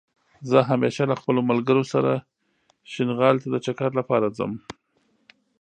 زه همېشه له خپلو ملګرو سره شينغالى ته دا چکر لپاره ځم